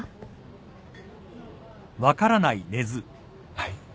はい？